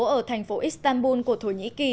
ở thành phố istanbul của thổ nhĩ kỳ